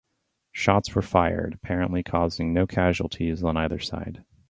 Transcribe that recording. Shots were fired, apparently causing no casualties on either side.